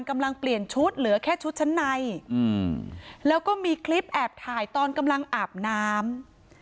กำลังเปลี่ยนชุดเหลือแค่ชุดชั้นในอืมแล้วก็มีคลิปแอบถ่ายตอนกำลังอาบน้ำ